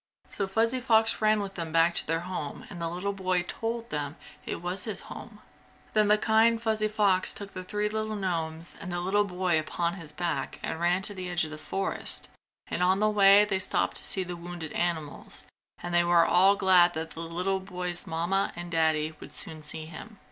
So Fuzzy Fox ran with them back to their home and the little boy told them it was his home. Then the kind Fuzzy Fox took the three little gnomes and the little boy upon his back and ran to the edge of the forest and on the way they stopped to see the wounded animals, and they were all glad that the little boy's Mamma and Daddy would soon see him.